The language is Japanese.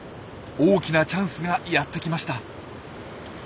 大きなチャンスがやってきました。